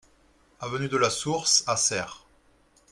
Avenue de la Source à Serres